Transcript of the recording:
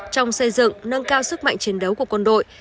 trong xây dựng nâng cao sức mạnh chiến đấu của quân đội